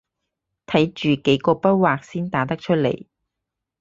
睇住幾個筆劃先打得出來